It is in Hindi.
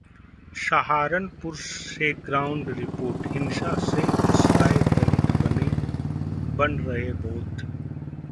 सहारनपुर से ग्राउंड रिपोर्ट: हिंसा से गुस्साए दलित बन रहे बौद्ध